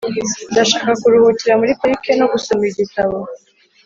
] ndashaka kuruhukira muri parike no gusoma igitabo.